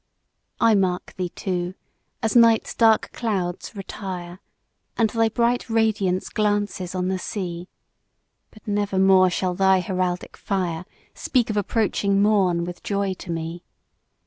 I mark thee too, as night's dark clouds retire, And thy bright radiance glances on the sea; But never more shall thy heraldic fire Speak of approaching morn with joy to me!